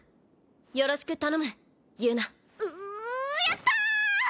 よろしく頼むううやった！